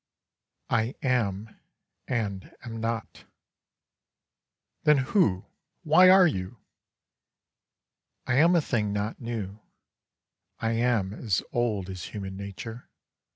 I am, and am not. Then who, why are you? I am a thing not new, I am as old As human nature.